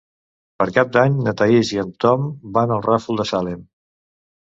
Per Cap d'Any na Thaís i en Tom van al Ràfol de Salem.